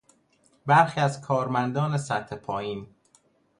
برخی از کارمندان سطح پایین